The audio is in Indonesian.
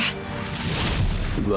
bahkan saya tidak tahu